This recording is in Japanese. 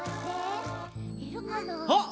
あっ！